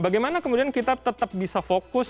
bagaimana kemudian kita tetap bisa fokus